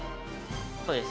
そうです。